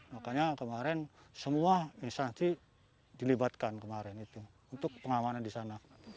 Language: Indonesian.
makanya kemarin semua instansi dilibatkan kemarin itu untuk pengamanan di sana